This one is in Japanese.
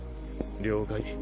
了解。